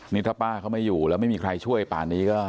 นี่ถ้าป้าเขาไม่อยู่แล้วไม่มีใครช่วยป่านนี้ก็